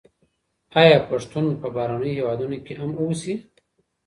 آیا پښتون په بهرنیو هېوادونو کي هم اوسي؟